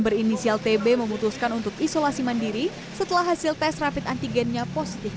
berinisial tb memutuskan untuk isolasi mandiri setelah hasil tes rapid antigennya positif